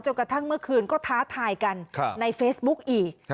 กระทั่งเมื่อคืนก็ท้าทายกันในเฟซบุ๊กอีก